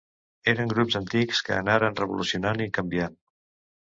Eren grups antics que anaren evolucionant i canviant.